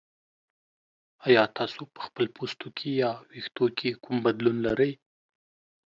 ایا تاسو په خپل پوستکي یا ویښتو کې کوم بدلون لرئ؟